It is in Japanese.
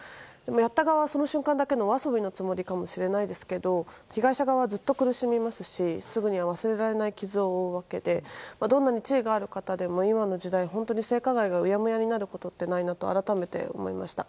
やった側は、その瞬間だけのお遊びのつもりかもしれませんけど被害者側はずっと苦しみますしすぐには忘れられない傷を負うわけでどんなに地位がある方でも今の時代本当に性加害がうやむやになることってないなと本当に思いました。